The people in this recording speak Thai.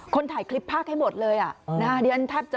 คนถ่ายคลิปภาคให้หมดเลยอะ